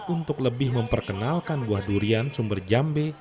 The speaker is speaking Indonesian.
untuk lebih memperkenalkan buah durian sumber jambe